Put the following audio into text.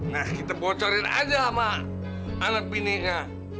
nah kita bocorin aja sama anak piniknya